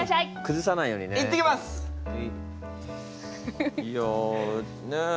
いやねえ。